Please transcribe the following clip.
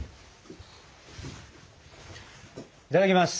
いただきます。